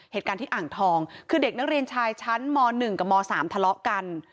เหตุการณ์ที่อ่างทองคือเด็กนักเรียนชายชั้นม๑กับม๓ทะเลาะกัน